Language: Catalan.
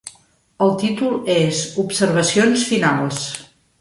El títol és: "Observacions finals".